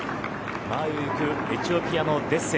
前を行くエチオピアのデッセ